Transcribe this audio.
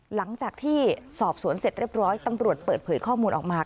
หลังจากที่สอบสวนเสร็จเรียบร้อยตำรวจเปิดเผยข้อมูลออกมา